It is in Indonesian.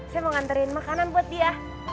saya mau nganterin makanan buat dia